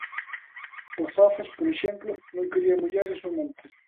O Gafas, por exemplo, non quería mulleres no monte.